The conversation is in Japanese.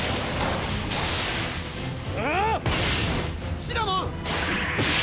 シナモン！